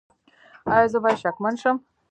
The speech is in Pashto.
ایا زه باید شکمن شم؟